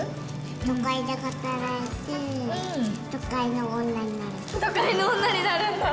都会で働いて、都会の女にな都会の女になるんだ。